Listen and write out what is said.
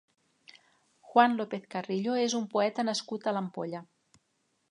Juan López-Carrillo és un poeta nascut a l'Ampolla.